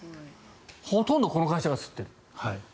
ほとんどこの会社が作っている。